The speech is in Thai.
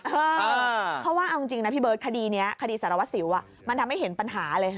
เพราะว่าเอาจริงนะพี่เบิร์ตคดีนี้คดีสารวัสสิวมันทำให้เห็นปัญหาเลย